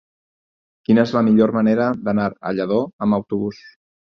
Quina és la millor manera d'anar a Lladó amb autobús?